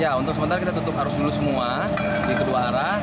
ya untuk sementara kita tutup arus dulu semua di kedua arah